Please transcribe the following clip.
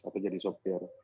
atau jadi software